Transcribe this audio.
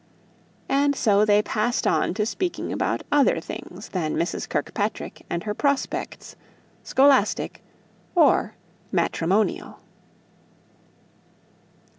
And so they passed on to speaking about other things than Mrs. Kirkpatrick and her prospects, scholastic or matrimonial.